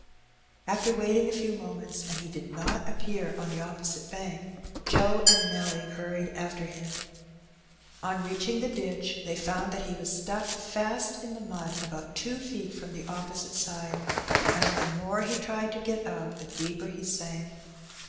After wait ing a few moments, and he did not appear on the opposite bank, Joe and Nelly hurried after him. On reaching the ditch they found that he was stuck fast in the mud about two feet from the opposite side, and that the more he tried to get out the deeper he sank.